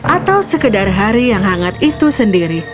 atau sekedar hari yang hangat itu sendiri